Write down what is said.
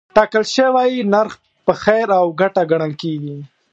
ټاکل شوی نرخ په خیر او ګټه ګڼل کېږي.